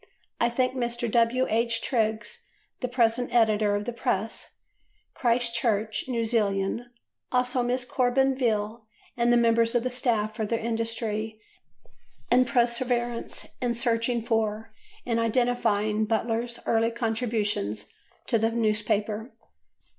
I thank Mr. W. H. Triggs, the present editor of the Press, Christchurch, New Zealand, also Miss Colborne Veel and the members of the staff for their industry and perseverance in searching for and identifying Butler's early contributions to the newspaper.